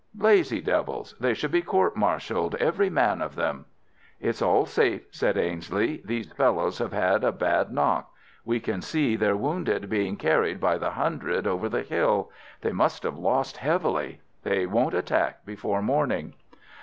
Lazy devils, they should be court martialled, every man of them." "It's all safe," said Ainslie. "These fellows have had a bad knock. We can see their wounded being carried by the hundred over the hill. They must have lost heavily. They won't attack before morning."